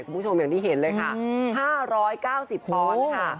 คุณผู้ชมอย่างที่เห็นเลยค่ะ๕๙๐ปอนด์ค่ะ